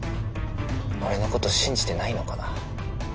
俺のこと信じてないのかな？